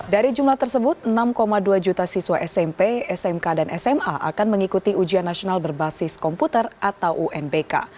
dari jumlah tersebut enam dua juta siswa smp smk dan sma akan mengikuti ujian nasional berbasis komputer atau unbk